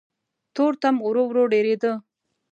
تورتم ورو ورو ډېرېده.